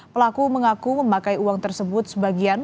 pelaku mengaku memakai uang tersebut sebagian